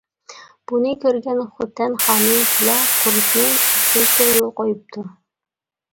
بۇنى كۆرگەن خوتەن خانى پىلە قۇرۇتنى ئۆستۈرۈشكە يول قويۇپتۇ.